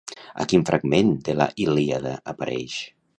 A quin fragment de la Ilíada apareix?